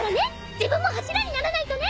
自分も柱にならないとね。